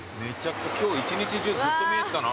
今日一日中ずっと見えてたな。